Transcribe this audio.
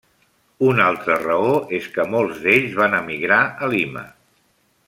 Una altra raó és que molts d'ells van emigrar a Lima.